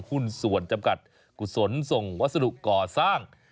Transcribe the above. หุ้นส่วนจำกัดกุศลส่งวัสดุก่อสร้าง